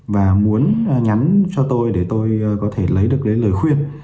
và muốn nhắn cho tôi để tôi có thể lấy được cái lời khuyên